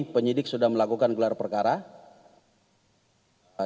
penyidik sudah melakukan gelar perkara